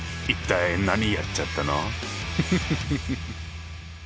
一体何やっちゃったの？